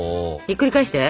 ひっくり返して！